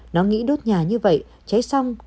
nó nghĩ đốt nhà như vậy cháy xong